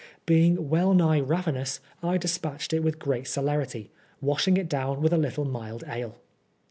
Being well nigh ravenous, I dispatched it with great celerity, washing it down with a little mild ale.